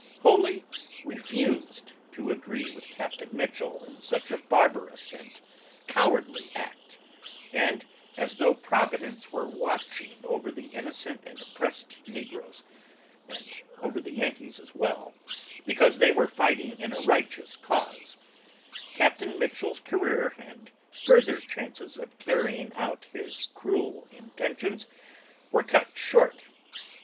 wholly refused to agree with Capt. Mitchell in such a barbarous and cowardly act, and, as though Providence were watching over the innocent and oppressed negroes, and over the Yankees as well, because they were fighting in a righteous cause, Capt. Mitchell's career and further chances of carrying out his cruel intentions were cut short.